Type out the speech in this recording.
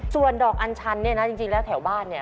ส่วนดอกอัญชันเนี่ยนะจริงแล้วแถวบ้านเนี่ย